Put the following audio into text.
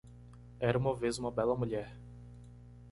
era uma vez uma bela mulher